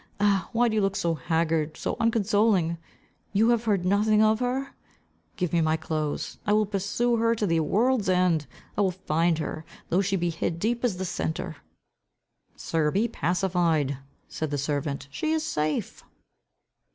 Ah, why do you look so haggard, so unconsoling. You have heard nothing of her? Give me my clothes. I will pursue her to the world's end. I will find her, though she be hid deep as the centre." "Sir, be pacified," said the servant, "she is safe."